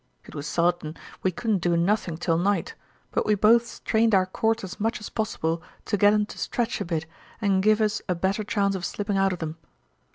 It was sartin we couldn't do nothing till night, but we both strained our cords as much as possible to get 'em to stretch a bit and give us a better chance of slipping out of 'em.